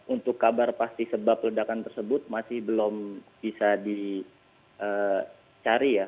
untuk kabar pasti sebab ledakan tersebut masih belum bisa dicari ya